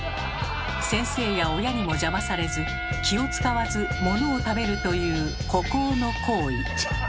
先生や親にも邪魔されず気を遣わずものを食べるという孤高の行為。